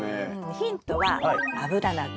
ヒントはアブラナ科。